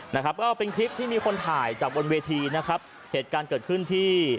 นะครับก็เป็นคลิปที่มีคนถ่ายจากบนเวทีนะครับเหตุการณ์เกิดขึ้นที่